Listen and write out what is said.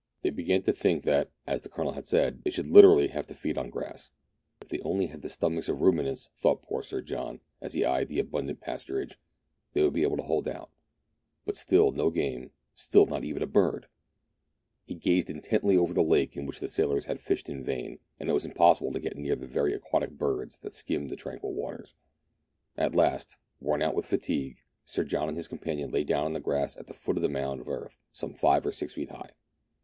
They began to think that, as the Colonel had said, they should literally have to feed on grass. If they only had the stomachs of ruminants, thought poor Sir John, as he eyed the abundant pasturage, they would be able to hold out ; but still no game, still not even a bird ! He gazed intently over the lake, in which the sailors had fished in vain ; and it was impossible to get near the wary aquatic birds that skimmed the tranquil waters. At last, worn out with fatigue, Sir John and his companion lay down on the grass at the foot of a mound of earth some five or six feet high.